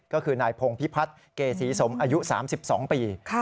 ก็คือนายพงพิพัฒน์เกษีสมอายุ๓๒ปี